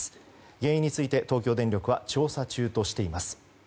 原因について東京電力は調査中としています。